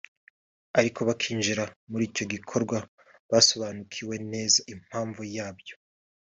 ariko bakinjira muri icyo gikorwa basobanukiwe neza impamvu yabyo